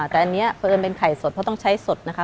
แต่อันนี้เพราะเอิญเป็นไข่สดเพราะต้องใช้สดนะคะ